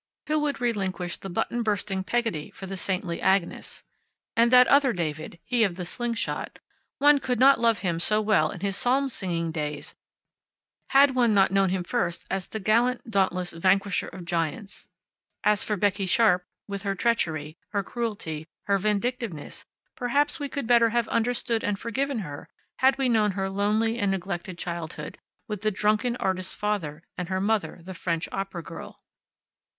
Who would relinquish the button bursting Peggotty for the saintly Agnes? And that other David he of the slingshot; one could not love him so well in his psalm singing days had one not known him first as the gallant, dauntless vanquisher of giants. As for Becky Sharp, with her treachery, her cruelty, her vindicativeness, perhaps we could better have understood and forgiven her had we known her lonely and neglected childhood, with the drunken artist father and her mother, the French opera girl.